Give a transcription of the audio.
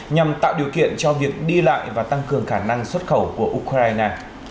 nhằm tạo điều kiện cho việc đi lại và tăng cường khả năng xuất khẩu của ukraine